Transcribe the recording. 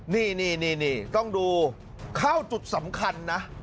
นี่นี่นี่นี่ต้องดูเข้าจุดสำคัญนะ